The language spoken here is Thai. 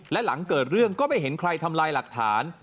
และหลังเกิดเรื่องก็ไม่เห็นใครทำลายหลักฐาน